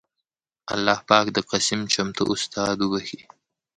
اللهٔ پاک د قسيم چمتو استاد وبښي